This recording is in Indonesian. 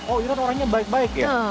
oh iran orangnya baik baik ya